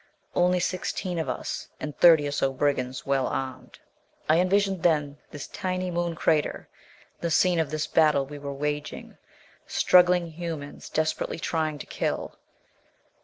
Only sixteen of us. And thirty or so brigands well armed. I envisioned then this tiny Moon crater, the scene of this battle we were waging. Struggling humans, desperately trying to kill!